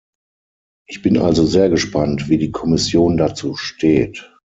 Ich bin also sehr gespannt, wie die Kommission dazu steht.